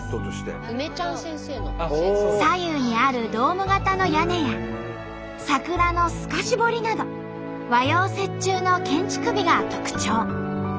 左右にあるドーム型の屋根や桜の透かし彫りなど和洋折衷の建築美が特徴。